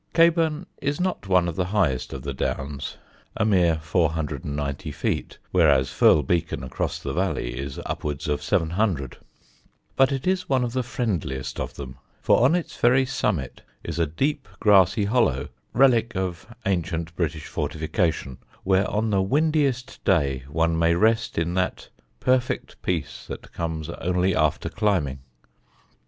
Caburn is not one of the highest of the Downs (a mere 490 feet, whereas Firle Beacon across the valley is upwards of 700): but it is one of the friendliest of them, for on its very summit is a deep grassy hollow (relic of ancient British fortification) where on the windiest day one may rest in that perfect peace that comes only after climbing.